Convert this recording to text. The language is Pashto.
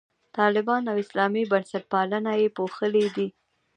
طالبان او اسلامي بنسټپالنه یې پوښلي دي.